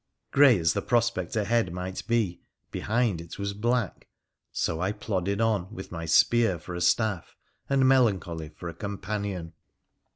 Grey as the prospect ahead might be, behind it was black : so I plodded on, with my spear for a staff and Melancholy for a companion.